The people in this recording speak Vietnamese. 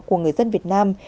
của người dân việt nam